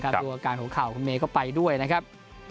ดูอาการหัวเข่าคุณเมย์ก็ไปด้วยนะครับ